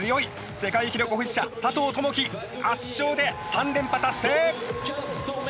世界記録保持者、佐藤友祈圧勝で３連覇達成！